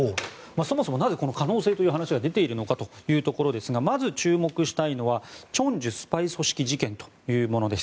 そもそもなぜ、この可能性という話が出ているのかですがまず注目したいのは清州スパイ組織事件というものです。